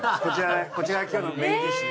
こちらが今日のメインディッシュ。